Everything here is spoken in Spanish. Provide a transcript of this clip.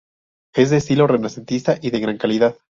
Es de estilo renacentista y de gran calidad.